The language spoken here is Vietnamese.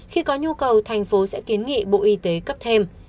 khi có nhu cầu thành phố sẽ kiến nghị bộ y tế cấp thêm